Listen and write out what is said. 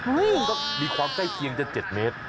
ต้องมีความใกล้เคียงจะ๗เมตร